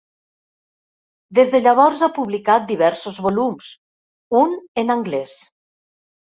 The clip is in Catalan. Des de llavors ha publicat diversos volums, un en anglès.